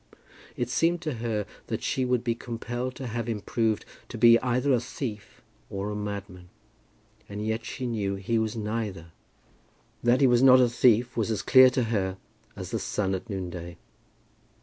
It seemed to her that she would be compelled to have him proved to be either a thief or a madman. And yet she knew that he was neither. That he was not a thief was as clear to her as the sun at noonday.